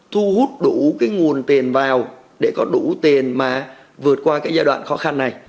thu hút đủ cái nguồn tiền vào để có đủ tiền mà vượt qua cái giai đoạn khó khăn này